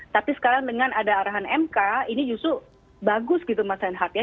tapi sekarang dengan ada arahan mk ini justru bagus gitu mas reinhardt ya